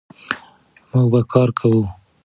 موږ به کار کوو.